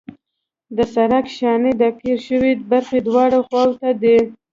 د سرک شانې د قیر شوې برخې دواړو خواو ته دي